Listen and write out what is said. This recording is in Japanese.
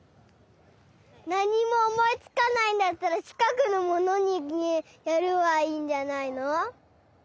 なにもおもいつかないんだったらちかくのものにやればいいんじゃないの？